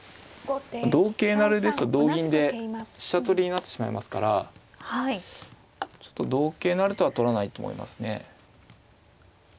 同桂成ですと同銀で飛車取りになってしまいますからちょっと同桂成とは取らないと思いますね。